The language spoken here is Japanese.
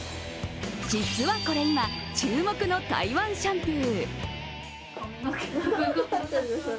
実はこれ、今注目の台湾シャンプー。